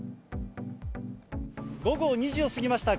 午後２時を過ぎました。